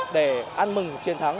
để an mừng chiến thắng